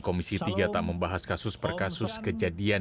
komisi tiga tak membahas kasus per kasus kejadian